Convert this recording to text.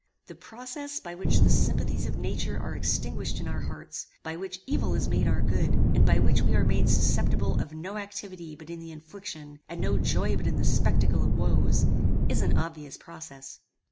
The process by which the sympathies of nature are extinguished in our hearts, by which evil is made our good, and by which we are made susceptible of no activity but in the infliction, and no joy but in the spectacle of woes, is an obvious process.